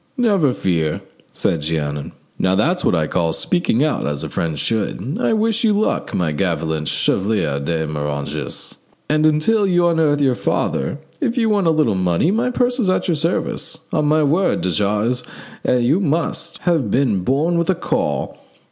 "Never fear," said Jeannin. "Now, that's what I call speaking out as a friend should. I wish you luck, my gallant Chevalier de Moranges, and until you unearth your father, if you want a little money, my purse is at your service. On my word, de Jars, you must have been born with a caul.